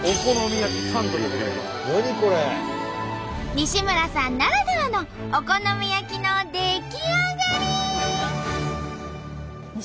西村さんならではのお好み焼きの出来上がり！